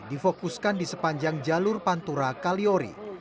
difokuskan di sepanjang jalur pantura kaliori